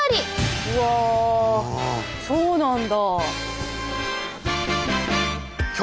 うわそうなんだ。